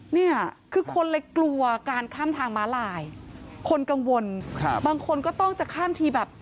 เนี่ยคือคนเลยกลัวการข้ามทางม้าลายคนกังวลครับบางคนก็ต้องจะข้ามทีแบบ